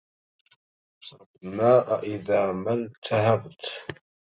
أشرب الماء إذا ما التهبت